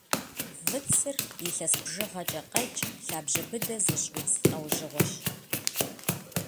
Выцыр илъэс бжыгъэкӏэ къэкӏ, лъабжьэ быдэ зыщӏ удз лӏэужьыгъуэщ.